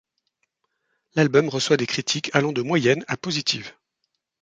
L'album reçoit des critiques allant de moyennes à positives.